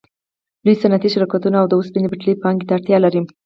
لوی صنعتي شرکتونه او د اوسپنې پټلۍ پانګې ته اړتیا لري